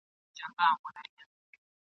ما به څرنګه پر لار کې محتسب خانه خرابه ..